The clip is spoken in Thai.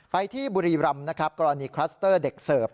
ไปที่บุรีรำนะครับกรณีคลัสเตอร์เด็กเสิร์ฟ